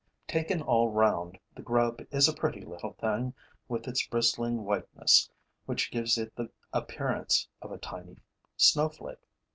Taken all round, the grub is a pretty little thing, with its bristling whiteness, which gives it the appearance of a tiny snowflake.